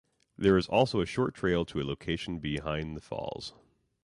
There is also a short trail to a location behind the falls.